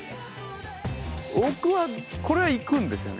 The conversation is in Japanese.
僕はこれは行くんですよね。